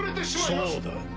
そうだ。